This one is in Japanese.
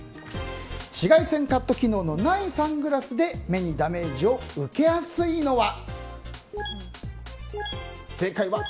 紫外線カット機能のないサングラスで目にダメージを受けやすいのは。